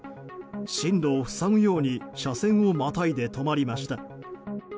進路を塞ぐように車線をまたいで止まりました。